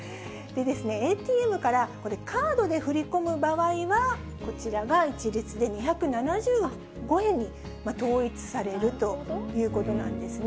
ＡＴＭからカードで振り込む場合は、こちらが一律で２７５円に統一されるということなんですね。